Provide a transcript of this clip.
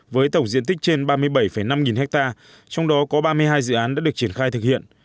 với tổng diện tích trên ba mươi bảy năm nghìn hectare trong đó có ba mươi hai dự án đã được triển khai thực hiện